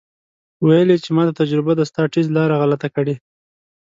ویل یې چې ماته تجربه ده ستا ټیز لاره غلطه کړې.